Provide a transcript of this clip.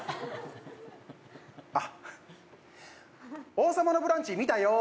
「王様のブランチ」見たよー！